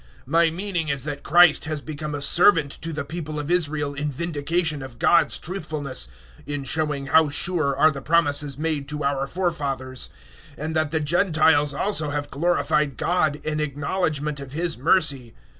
015:008 My meaning is that Christ has become a servant to the people of Israel in vindication of God's truthfulness in showing how sure are the promises made to our forefathers 015:009 and that the Gentiles also have glorified God in acknowledgment of His mercy.